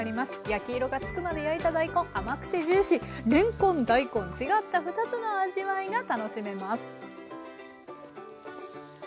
焼き色がつくまで焼いた大根甘くてジューシーれんこん大根違った２つの味わいが楽しめます。